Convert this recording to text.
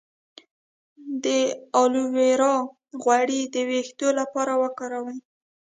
د الوویرا غوړي د ویښتو لپاره وکاروئ